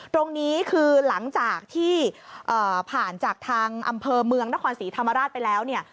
ตรงนี้คือหลังจากที่ผ่านจากทางอำเภอเมืองนครศรีธรรมราชไปแล้วเนี่ย